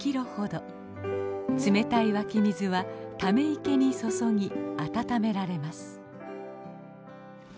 冷たい湧き水はため池に注ぎ温められます。